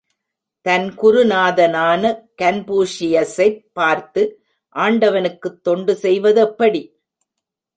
தன் குருநாதனான கன்பூஷியசைப் பார்த்து, ஆண்டவனுக்கு தொண்டு செய்வதெப்படி?